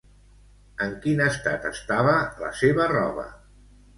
En quin estat estava la seva roba?